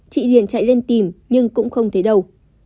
chị hiền chạy lên tìm nhưng cũng không thấy đâu